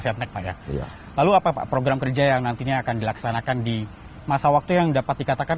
setnek pak ya lalu apa pak program kerja yang nantinya akan dilaksanakan di masa waktu yang dapat dikatakan